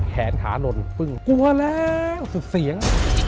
แขนขานนปึ้งกลัวแล้วสุดเสียง